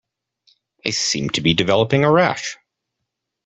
I seem to be developing a rash.